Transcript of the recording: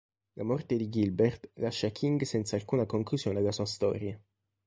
La morte di Gilbert lascia King senza alcuna conclusione alla sua storia.